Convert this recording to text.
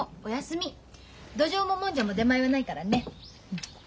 どじょうももんじゃも出前はないからね。